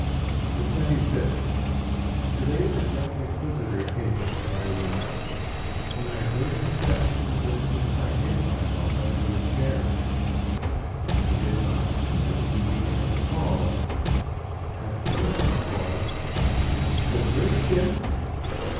The 25th. To day the Grand Inquisitor came into my room; when I heard his steps in the distance, I hid myself under a chair. When he did not see me, he began to call. At first he called "Poprishchin!"